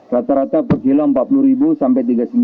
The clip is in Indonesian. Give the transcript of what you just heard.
rata rata bergila rp empat puluh rp tiga puluh sembilan